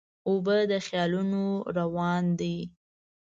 اوبه د خیالونو روان دي.